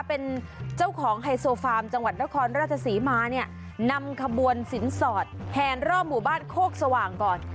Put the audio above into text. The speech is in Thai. เป็นเจ้าของไฮโซฟาร์มจังหวัดนครราชศรีมาเนี่ยนำขบวนสินสอดแทนรอบหมู่บ้านโคกสว่างก่อน